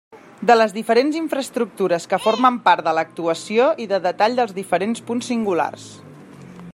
De les diferents infraestructures que formen part de l'actuació i de detall dels diferents punts singulars.